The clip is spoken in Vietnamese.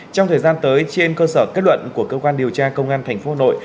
trong thời gian tới trên cơ sở kết luận của cơ quan điều tra công an tp hà nội